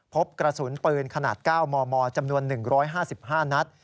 พบกระสุนปืนขนาด๙๑๑๕๕นัด